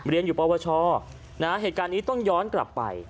เรียนอยู่ปวชนะฮะเหตุการณ์นี้ต้องย้อนกลับไป